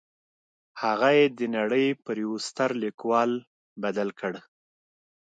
هغه يې د نړۍ پر يوه ستر ليکوال بدل کړ.